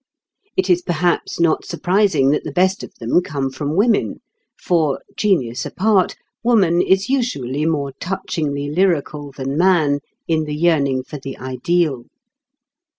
It is perhaps not surprising that the best of them come from women for (genius apart) woman is usually more touchingly lyrical than man in the yearning for the ideal.